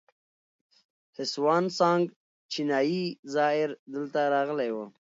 هسوان سانګ چینایي زایر دلته راغلی و